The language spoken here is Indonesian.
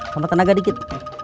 sama tenaga dikit